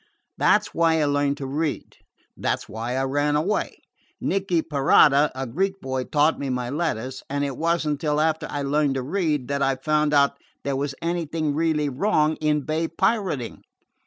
"That 's why I learned to read. That 's why I ran away. Nicky Perrata, a Greek boy, taught me my letters, and it was n't till after I learned to read that I found out there was anything really wrong in bay pirating.